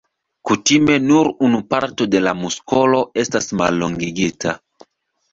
Kutime nur unu parto de la muskolo estas mallongigita.